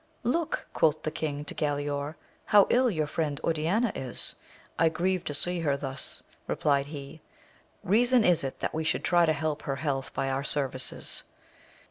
Look, quoth the king, to Galaor, how ill your friend Oriana is ! I grieve to see her thus, replied he : reason is it that we should try to help her health by our services.